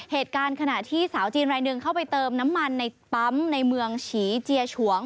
เหตุการณ์ขณะที่สาวจีนรายหนึ่งเข้าไปเติมน้ำมันในปั๊มในเมืองฉีเจียฉวง